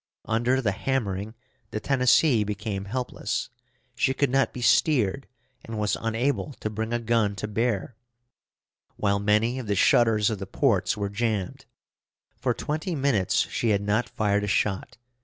Under the hammering, the Tennessee became helpless. She could not be steered, and was unable to bring a gun to bear, while many of the shutters of the ports were jammed. For twenty minutes she had not fired a shot.